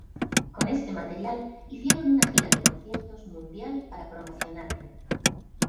Con este material, hicieron una gira de conciertos mundial para promocionarlo.